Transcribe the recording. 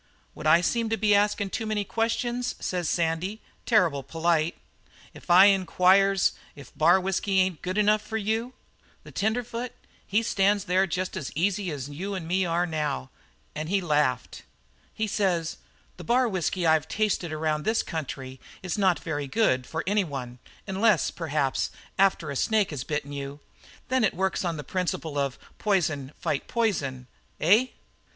"'Would I seem to be askin' too many questions,' says Sandy, terrible polite, 'if I inquires if bar whisky ain't good enough for you?' "The tenderfoot, he stands there jest as easy as you an' me stand here now, and he laughed. "He says: 'The bar whisky I've tasted around this country is not very good for any one, unless, perhaps, after a snake has bitten you. Then it works on the principle of poison fight poison, eh?'